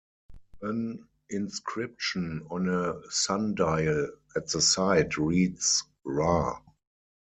An inscription on a sundial at the site reads Ra.